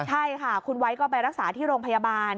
ใช่ค่ะคุณไว้ก็ไปรักษาที่โรงพยาบาล